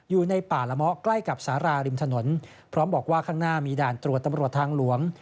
อยู่ในป่าละเมาะใกล้กับสาราริมถนนพร้อมบอกว่าข้างหน้ามีด่านตรวจตำรวจทางหลวง